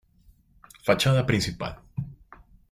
Fachada Principal.